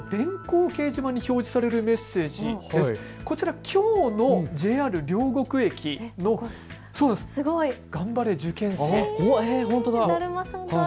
こちら、きょうのＪＲ両国駅の頑張れ受験生。